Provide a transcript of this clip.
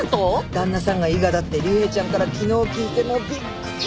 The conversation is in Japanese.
旦那さんが伊賀だって竜兵ちゃんから昨日聞いてもうびっくりよ。